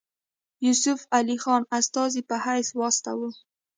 یوسف علي خان استازي په حیث واستاوه.